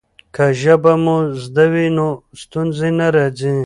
که ژبه مو زده وي نو ستونزې نه راځي.